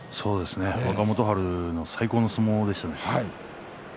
若元春、最高の相撲でしたね。